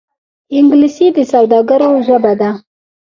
انګلیسي د سوداګرو ژبه ده